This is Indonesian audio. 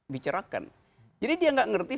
bicarakan jadi dia tidak mengerti